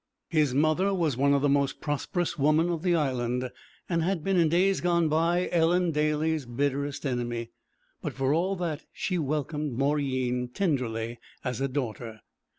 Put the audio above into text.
His mother was one of the most prosperous women of the Island, and had been in days gone by Ellen Daly's bitterest enemy. But for all that she welcomed Mauryeen tenderly as a daughter.